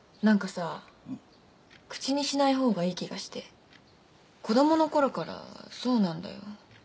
さ口にしないほうがいい気がして子どものころからそうなんだよ